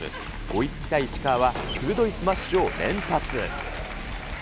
追いつきたい石川は、鋭いスマッシュを連発。